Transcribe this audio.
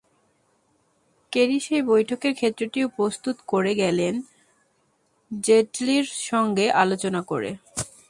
Kerry সেই বৈঠকের ক্ষেত্রটিও প্রস্তুত করে গেলেন জেটলির সঙ্গে আলোচনা করে।